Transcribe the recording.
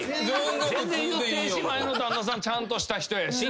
全然言うてええし前の旦那さんちゃんとした人やし。